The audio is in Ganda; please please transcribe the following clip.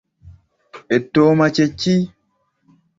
Ettooma kye ki?